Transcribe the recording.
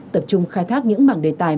tập trung khai thác những mảng đề tài